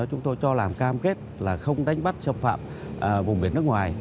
chúng tôi cho làm cam kết là không đánh bắt xâm phạm vùng biển nước ngoài